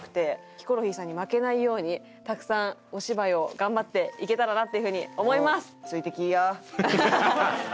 ヒコロヒーさんに負けないようにたくさんお芝居を頑張っていけたらなっていう風に思います！